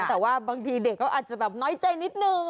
แต่ว่าบางทีเด็กก็อาจจะแบบน้อยใจนิดนึง